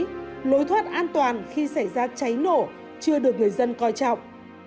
những tưởng tượng rất an toàn khi xảy ra cháy nổ chưa được người dân coi trọng